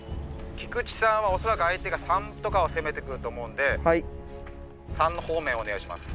菊池さんは恐らく相手が３とかを攻めて来ると思うんで３の方面をお願いします。